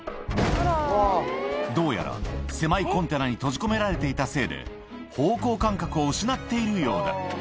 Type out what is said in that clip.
どうやら、狭いコンテナに閉じ込められていたせいで、方向感覚を失っているようだ。